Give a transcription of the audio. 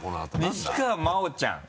西川真央ちゃん。